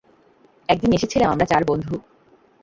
এক দিন এসেছিলাম আমরা চার বন্ধু।